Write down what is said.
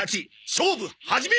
勝負始め！